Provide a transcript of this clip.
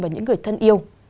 và những người thân yêu